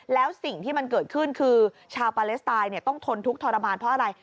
แล้วสิ่งที่มันเกิดขึ้นคือชาวปาเลสไตน์ต้องทนทุกข์ทรมานเพราะอะไร